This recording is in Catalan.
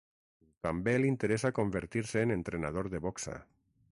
També l'interessa convertir-se en entrenador de boxa.